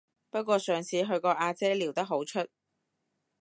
不過上次去個阿姐撩得好出